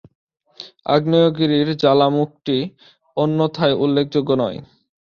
আগ্নেয়গিরির জ্বালামুখটি অন্যথায় উল্লেখযোগ্য নয়।